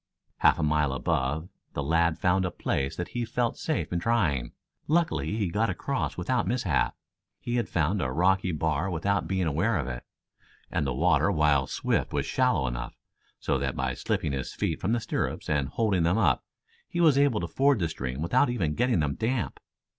Half a mile above, the lad found a place that he felt safe in trying. Luckily he got across without mishap. He had found a rocky bar without being aware of it, and the water while swift was shallow enough so that by slipping his feet from the stirrups and holding them up, he was able to ford the stream without even getting them damp.